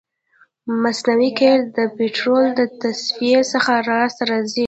مصنوعي قیر د پطرولو د تصفیې څخه لاسته راځي